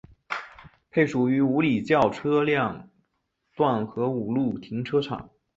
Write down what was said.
配属于五里桥车辆段和五路停车场。